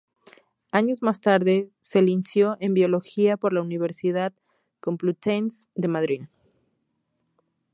Años más tarde se licenció en Biología por la Universidad Complutense de Madrid.